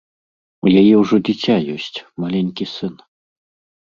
У яе ўжо дзіця ёсць, маленькі сын.